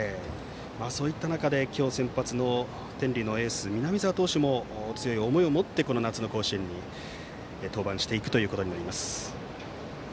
そういった中で今日、先発の天理のエース南澤投手も強い思いを持って夏の甲子園に登板していくことになります。